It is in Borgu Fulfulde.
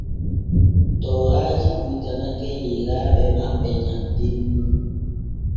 Tooraaji ɓuytanake yeeraaɓe maɓɓe nyanden mum.